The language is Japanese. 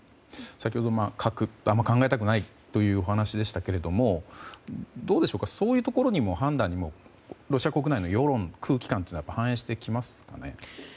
先ほど、核あまり考えたくないというお話でしたけれどもどうでしょうかそういう判断にもロシア国内の世論、空気感は反映してきますかね？